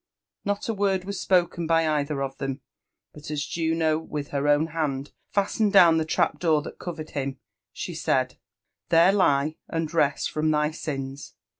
Not a word was spoken by either of them ; but as Juno with her own hand fastened down the trap door that covered him, she said, ''There lie, and rest ftom thy sins